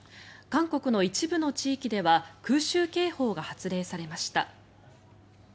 韓国の一部の地域では空襲警報が発令されました。